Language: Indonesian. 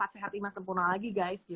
sehat lima sempurna lagi guys